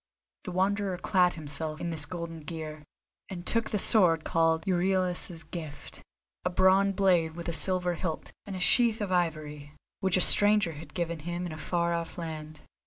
The Wanderer clad himself in this golden gear, and took the sword called "Euryalus's Gift," a bronze blade with a silver hilt, and a sheath of ivory, which a stranger had given him in a far off land.